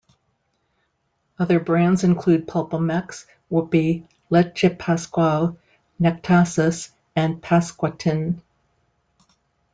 Other brands include PulpaMex, Woopy, Leche Pascual, Nectasis and Pascuatin.